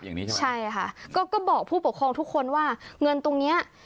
อย่างนี้ใช่ไหมใช่ค่ะก็ก็บอกผู้ปกครองทุกคนว่าเงินตรงเนี้ย